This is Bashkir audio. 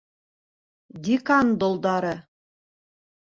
Декан долдары!